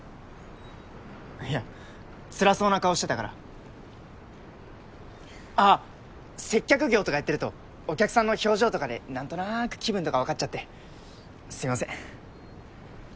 いやつらそうな顔してたからあっ接客業とかやってるとお客さんの表情とかで何となく気分とか分かっちゃってすいません